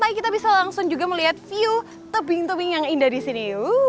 tapi kita bisa langsung juga melihat view tebing tebing yang indah di sini